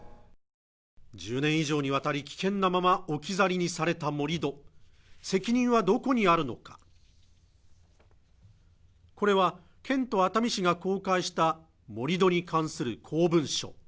１０年以上にわたり危険なまま置き去りにされた盛り土責任はどこにあるのかこれは県と熱海市が公開した盛り土に関する公文書